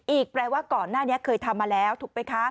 แปลว่าก่อนหน้านี้เคยทำมาแล้วถูกไหมคะ